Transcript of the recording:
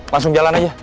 langsung jalan aja